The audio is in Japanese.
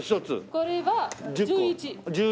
これは１１。